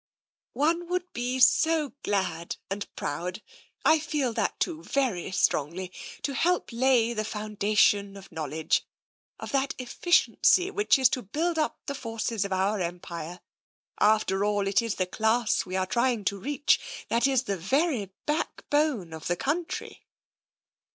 " One would be so glad and proud, I feel that too, very strongly — to help lay the foundation of knowledge — of that effi ciency which is to build up the forces of our Empire. After all, it is the class we are trying to reach that is the very backbone of the country."